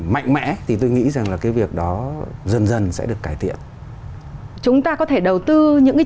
mạnh mẽ thì tôi nghĩ rằng là cái việc đó dần dần sẽ được cải thiện chúng ta có thể đầu tư những cái